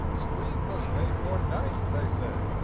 Sleep was made for night, they say.